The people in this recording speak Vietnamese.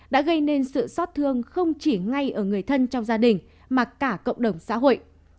đã gây nên sự xót thương không chỉ ngay ở người thân trong gia đình mà cả cộng đồng xã hội